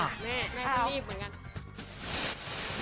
แม่แม่ก็รีบเหมือนกัน